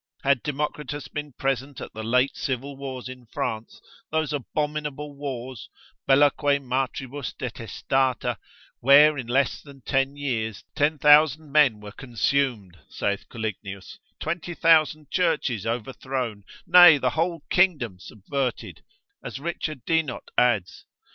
Had Democritus been present at the late civil wars in France, those abominable wars—bellaque matribus detestata, where in less than ten years, ten thousand men were consumed, saith Collignius, twenty thousand churches overthrown; nay, the whole kingdom subverted (as Richard Dinoth adds).